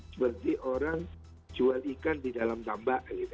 seperti orang jual ikan di dalam tambak gitu kan